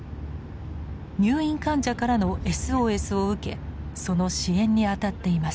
入院患者からのＳＯＳを受けその支援にあたっています。